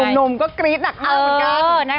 หนุ่มก็กรี๊ดหนักเอาเหมือนกัน